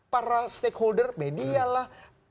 para stakeholder media lah